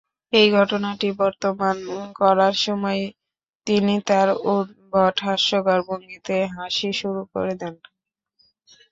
এই ঘটনাটি বর্ণনা করার সময়ই তিনি তার উদ্ভট হাস্যকর ভঙ্গিতে হাসি শুরু করে দেন।